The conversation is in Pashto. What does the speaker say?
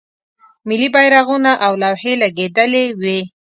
ملی بیرغونه او لوحې لګیدلې وې.